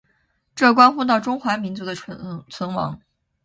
这关乎到中华民族的存亡。